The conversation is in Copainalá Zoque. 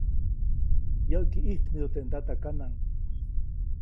Yäʼki ʼijtmidu teʼ ndatakanaʼŋ.